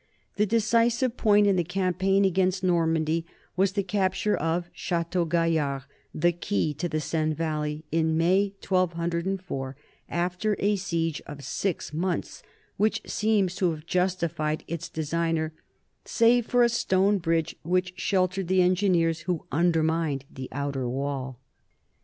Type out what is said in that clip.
The decisive point in the campaign against Nor mandy was the capture of Chateau Gaillard, the key to the Seine valley, in May, 1204, after a siege of six months which seems to have justified its designer, save for a stone bridge which sheltered the engineers who undermined the outer wall.